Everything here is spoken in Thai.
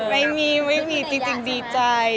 ไม่มีไม่มีจริงดีใจ